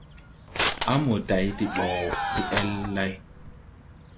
A mo day de ɓɔ de el lay.